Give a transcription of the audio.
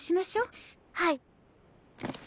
はい。